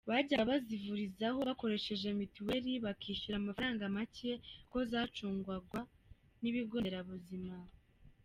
Bajyaga bazivurizaho bakoresheje mitiweli bakishura amafaranga make kuko zacungwaga n’ibigo nderabuzima.